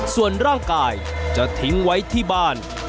ส่วนร่างกายจะทิ้งไว้ที่บ้าน